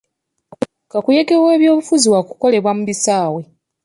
Kakuyege w'ebyobufuzi wa kukolebwa mu bisaawe.